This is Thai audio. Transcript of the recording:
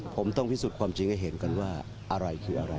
ผมต้องพิสูจน์ความจริงให้เห็นกันว่าอะไรคืออะไร